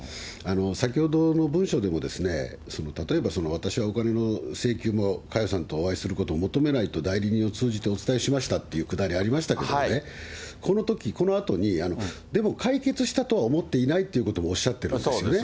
先ほどの文書でも、例えば私はお金の請求も、佳代さんとお会いすることを求めないと代理人を通じてお伝えしましたっていうくだりありましたけどね、このとき、このあとに、でも解決したとは思っていないということもおっしゃってますよね。